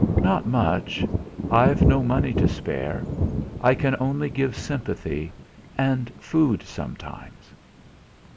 "Not much. I've no money to spare. I can only give sympathy and food sometimes."